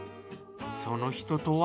その人とは？